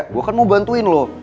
gue kan mau bantuin loh